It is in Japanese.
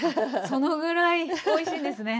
そのぐらいおいしいんですね。